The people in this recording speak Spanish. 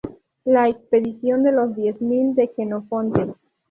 La expedición de los diez mil", de Jenofonte.